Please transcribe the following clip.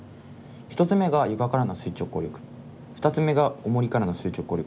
１つ目が床からの垂直抗力２つ目がおもりからの垂直抗力。